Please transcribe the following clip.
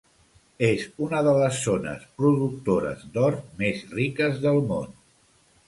És una de les zones productores d'or més riques del món.